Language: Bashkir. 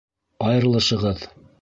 Айырылышығыҙ.